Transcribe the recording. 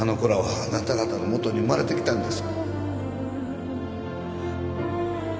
あなた方のもとに生まれてきたんです